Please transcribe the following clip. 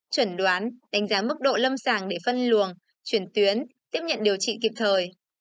chuẩn đoán đánh giá mức độ lâm sàng để phân luồng chuyển tuyến tiếp nhận điều trị kịp thời